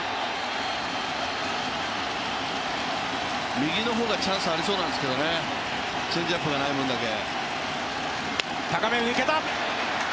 右の方がチャンスありそうなんですけどね、チェンジアップがない分だけ。